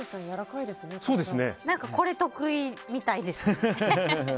何かこれ、得意みたいですね。